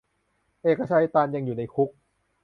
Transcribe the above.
เอกชัย ตัน ยังอยู่ในคุก